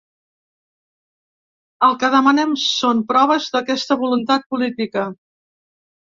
El que demanem són proves d’aquesta voluntat política.